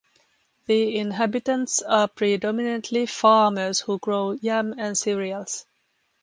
The inhabitants are predominantly farmers who grow yam and cereals.